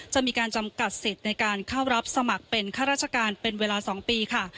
จะมีการจำกัดสิทธิ์ในการเข้ารับสมัครเป็นข้าราชการเป็นเวลา๒ปีค่ะ